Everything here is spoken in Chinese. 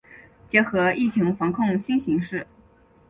结合疫情防控新形势